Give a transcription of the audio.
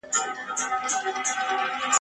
د ځنګله پاچا ته نوې دا ناره وه ..